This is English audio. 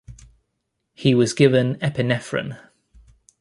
He was given epinephrine.